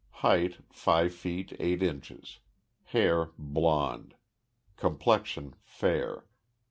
Height, five feet eight inches. Hair, blond. Complexion, fair.